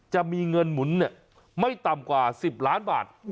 จะมีเงินหมุนไม่ต่ำกว่า๑๐ล้านบาท